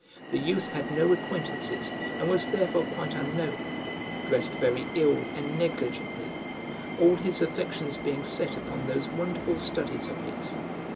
The youth had no acquaintances, and was therefore quite unknown; dressed very ill and negligently; all his affections being set upon those wonderful studies of his.